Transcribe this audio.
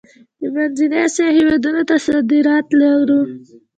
د منځنۍ اسیا هیوادونو ته صادرات لرو؟